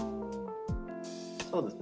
そうですね。